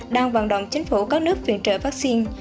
đang vận động chính phủ các nước viện trợ vaccine